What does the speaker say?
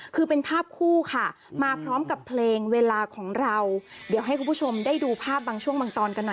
คือเป็นภาพคู่ค่ะมาพร้อมกับเพลงเวลาของเราเดี๋ยวให้คุณผู้ชมได้ดูภาพบางช่วงบางตอนกันหน่อย